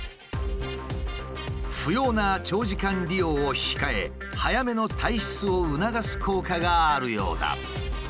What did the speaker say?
不要な長時間利用を控え早めの退室を促す効果があるようだ。